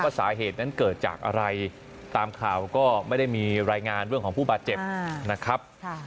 สาเหตุนั้นเกิดจากอะไรตามข่าวก็ไม่ได้มีรายงานเรื่องของผู้บาดเจ็บนะครับ